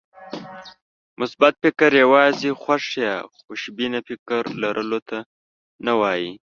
مثبت فکر يوازې خوښ يا خوشبينه فکر لرلو ته نه وایي.